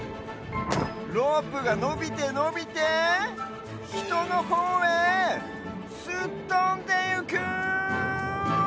ロープがのびてのびてひとのほうへすっとんでゆく！